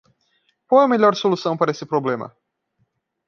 Qual é a melhor solução para esse problema?